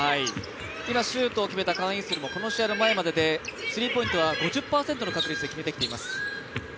今シュートを決めたカン・イスルもこの試合の前まででスリーポイントは５０％の確率で決めてきています。